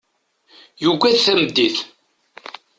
Yuggad tameddit.